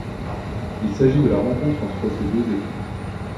Il s'agit de la rencontre entre ces deux équipes.